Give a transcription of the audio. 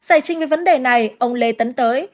giải trình về vấn đề này ông lê tấn tới